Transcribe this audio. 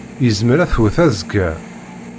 Yezmer ad twet azekka.